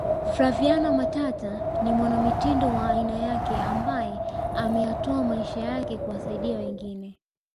Flaviana Matata ni mwanamitindo wa aina yake ambae ameyatoa maisha yake kuwasaidia wengine